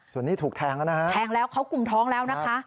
ส่วนนี้ถูกแทงแล้วนะฮะแทงแล้วเขากลุ่มท้องแล้วนะคะ